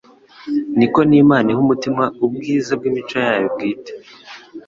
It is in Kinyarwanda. niko n'Imana iha umutima ubwiza bw'imico yayo bwite.